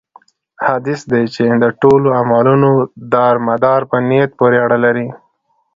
حديث دی چې: د ټولو عملونو دار مدار په نيت پوري اړه لري